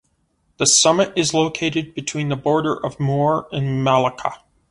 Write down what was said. The summit is located between the border of Muar and Malacca.